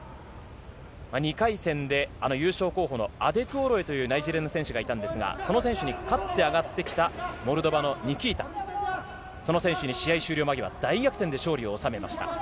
２回戦であの優勝候補のアデクオロエというナイジェリアの選手がいたんですが、その選手に勝って上がってきたモルドバのニキータ、その選手に試合終了間際、大逆転で勝利を収めました。